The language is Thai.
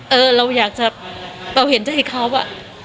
เออเราอยากจะเป่าเห็นเจ้าให้เขาอ่ะ